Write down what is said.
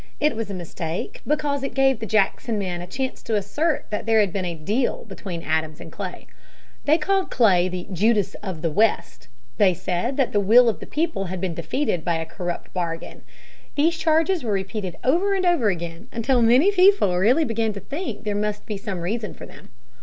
It was a mistake, because it gave the Jackson men a chance to assert that there had been a "deal" between Adams and Clay. They called Clay the "Judas of the West." They said that the "will of the people" had been defeated by a "corrupt bargain." These charges were repeated over and over again until many people really began to think that there must be some reason for them.